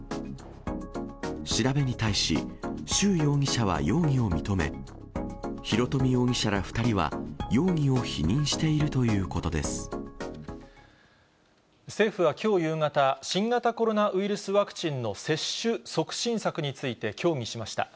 調べに対し、周容疑者は容疑を認め、広冨容疑者ら２人は容疑を否認していると政府はきょう夕方、新型コロナウイルスワクチンの接種促進策について協議しました。